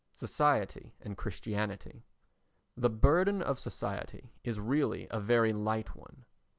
Society and Christianity The burden of society is really a very light one.